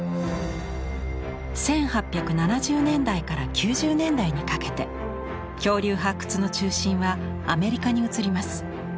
１８７０年代から９０年代にかけて恐竜発掘の中心はアメリカに移ります。